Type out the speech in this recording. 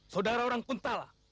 saudara orang kuntala